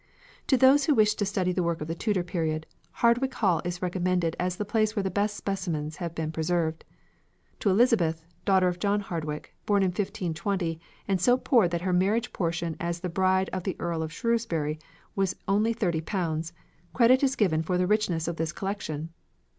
To those who wish to study the work of the Tudor period, Hardwick Hall is recommended as the place where the best specimens have been preserved. To Elizabeth, daughter of John Hardwick, born in 1520, and so poor that her marriage portion as the bride of the Earl of Shrewsbury was only thirty pounds, credit is given for the richness of this collection.